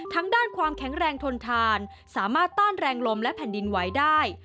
ด้านความแข็งแรงทนทานสามารถต้านแรงลมและแผ่นดินไหวได้